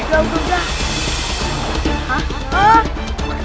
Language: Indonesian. udah udah udah